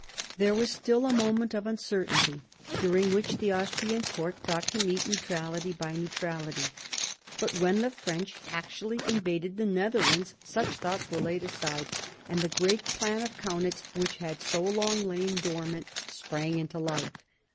There was still a moment of uncertainty during which the Austrian court thought to meet neutrality by neutrality. But when the French actually invaded the Netherlands such thoughts were laid aside, and the great plan of Kaunitz, which had so long lain dormant, sprang into life.